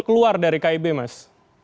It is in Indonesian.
keluar dari kib mas